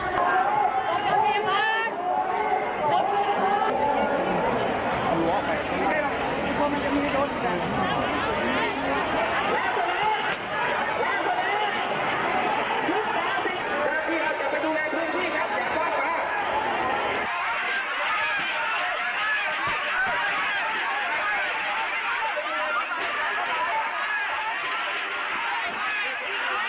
สวัสดีครับอย่าไปดูแหละครึ่งนี้ครับเป็นสวัสดีครับ